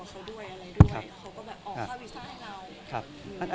เขาก็แบบออกค่าวีซ่าให้เรา